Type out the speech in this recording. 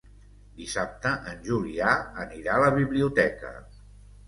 Dissabte en Julià anirà a la biblioteca.